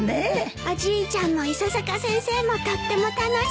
おじいちゃんも伊佐坂先生もとっても楽しそう。